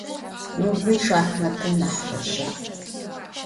Nurbıy şşaxmatım nah feşağ.